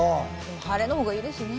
晴れのほうがいいですね。